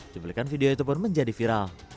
cuplikan video itu pun menjadi viral